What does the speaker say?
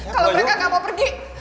kalau mereka nggak mau pergi